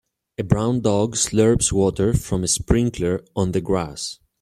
A brown dog slurps water from a sprinkler on the grass.